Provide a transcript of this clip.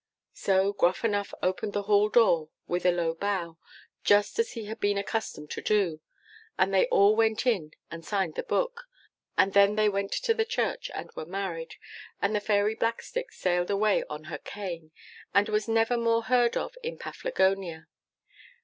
So Gruffanuff opened the hall door with a low bow, just as he had been accustomed to do, and they all went in and signed the book, and then they went to church and were married, and the Fairy Blackstick sailed away on her cane, and was never more heard of in Paflagonia.